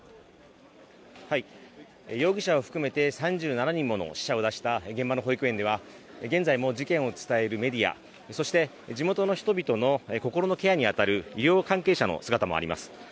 容疑者を含めて３７人もの死者を出した現場の保育園では現在も事件を伝えるメディア、そして地元の人々の心のケアに当たる医療関係者の姿もあります。